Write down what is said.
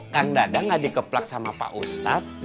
kang dadang gak dikeplak sama pak ustadz